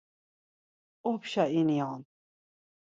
Opşa ini on.